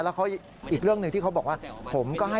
แล้วอีกเรื่องหนึ่งที่เขาบอกว่า